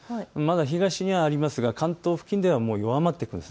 東にはありますが関東付近では弱まってきます。